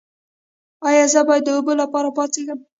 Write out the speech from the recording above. ایا زه باید د اوبو لپاره پاڅیږم؟